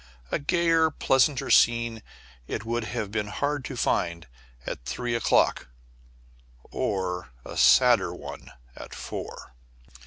A gayer, pleasanter scene it would have been hard to find at three o'clock, or a sadder one at four.